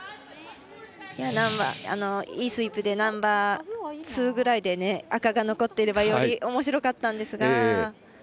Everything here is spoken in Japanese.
いいスイープでナンバーツーぐらいで赤が残っていればよりおもしろかったんですが。